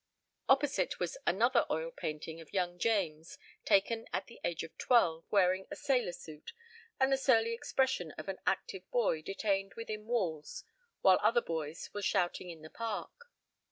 Opposite was another oil painting of young James taken at the age of twelve, wearing a sailor suit and the surly expression of an active boy detained within walls while other boys were shouting in the park.